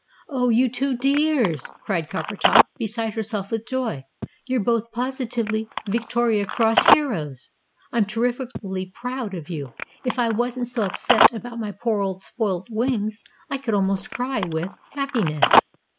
"Oh, you two dears!" cried Coppertop, beside herself with joy, "you're both positively Victoria Cross heroes! I'm terrifikly proud of you. If I wasn't so upset about my poor old spoilt wings, I could almost cry with happiness!"